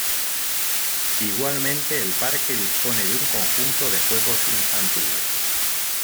Igualmente el parque dispone de un conjunto de juegos infantiles.